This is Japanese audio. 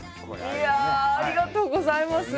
いやあありがとうございます！